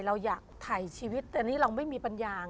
เราอยากถ่ายชีวิตแต่นี่เราไม่มีปัญญา